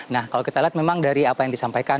nah kalau kita lihat memang dari apa yang disampaikan